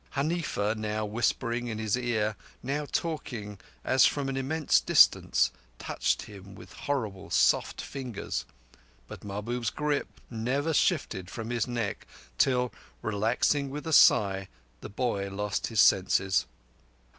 Huneefa, now whispering in his ear, now talking as from an immense distance, touched him with horrible soft fingers, but Mahbub's grip never shifted from his neck till, relaxing with a sigh, the boy lost his senses.